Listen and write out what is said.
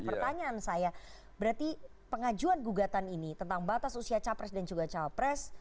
pertanyaan saya berarti pengajuan gugatan ini tentang batas usia capres dan juga cawapres